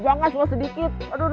ya udah gue cabut turun dulu